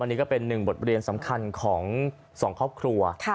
อันนี้ก็เป็นหนึ่งบทเรียนสำคัญของสองครอบครัว